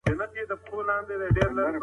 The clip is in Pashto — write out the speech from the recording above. په ګرځېدو کي بې ځایه غوسه نه راپارول کېږي.